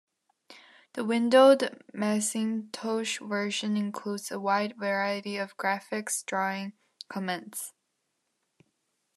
The "windowed" Macintosh version includes a wide variety of graphics drawing commands.